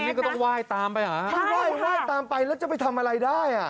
นี่ก็ต้องไหว้ตามไปหรือไหว้ตามไปแล้วจะไปทำอะไรได้อ่ะโอ้โฮใช่ค่ะ